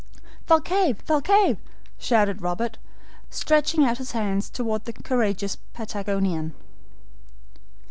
"Thalcave, Thalcave!" shouted Robert, stretching out his hands toward the courageous Patagonian.